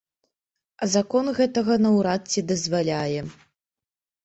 А закон гэтага наўрад ці дазваляе.